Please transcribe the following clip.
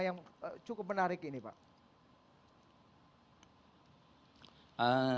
yang cukup menarik ini pak